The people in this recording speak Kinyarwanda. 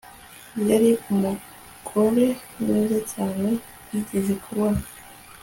yari umugore mwiza cyane yigeze kubona